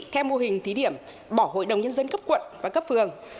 theo mô hình thí điểm bỏ hội đồng nhân dân cấp quận và cấp phường